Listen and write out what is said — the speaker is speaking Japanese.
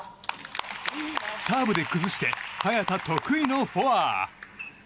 サーブで崩して早田、得意のフォア！